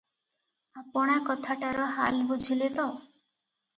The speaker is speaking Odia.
ଆପଣା କଥାଟାର ହାଲ ବୁଝିଲେ ତ?